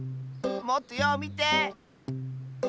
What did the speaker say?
もっとようみて！